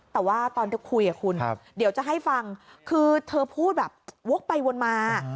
แต่ว่าตอนเธอคุยคุณเดี๋ยวจะให้ฟังคือเธอพูดแบบวกไปวนมา